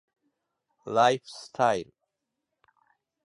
ライフスタイル